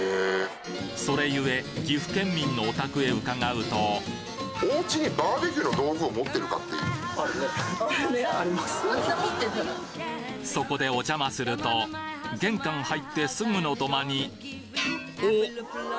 それゆえ岐阜県民のお宅へ伺うとそこでお邪魔すると玄関入ってすぐの土間にお！